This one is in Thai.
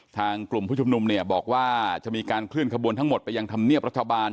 ทางกลุ่มผู้ชุมนุมเนี่ยบอกว่าจะมีการเคลื่อนขบวนทั้งหมดไปยังธรรมเนียบรัฐบาล